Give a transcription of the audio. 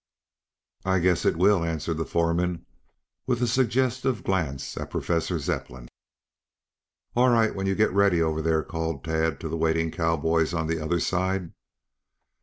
"I guess it will," answered the foreman, with a suggestive glance at Professor Zepplin. "All right when you get ready over there," called Tad to the waiting cowboys on the other side.